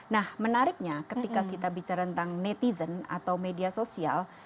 nah menariknya ketika kita bicara tentang netizen atau media sosial